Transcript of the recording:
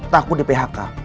takut di phk